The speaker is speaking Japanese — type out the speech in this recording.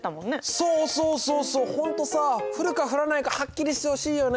そうそうそうそう本当さあ降るか降らないかはっきりしてほしいよね